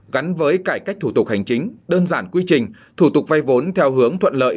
gắn với cải cách thủ tục hành chính đơn giản quy trình thủ tục vay vốn theo hướng thuận lợi